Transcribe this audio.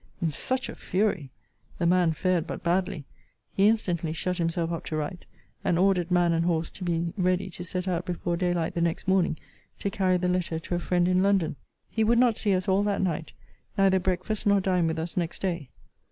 In such a fury! The man fared but badly. He instantly shut himself up to write, and ordered man and horse to be ready to set out before day light the next morning, to carry the letter to a friend in London. He would not see us all that night; neither breakfast nor dine with us next day.